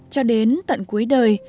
cho đến tận cuối đời